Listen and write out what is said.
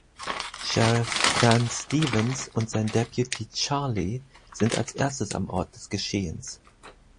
Sheriff Dan Stevens und sein Deputy Charlie sind als erstes am Ort des Geschehens.